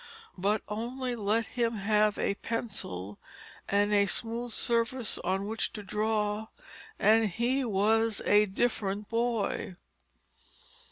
But only let him have a pencil and a smooth surface on which to draw, and he was a different boy.